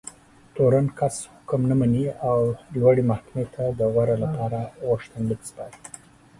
تورن کس حکم نه مني او لوړې محکمې ته د غور لپاره غوښتنلیک سپاري.